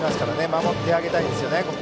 守ってあげたいですね。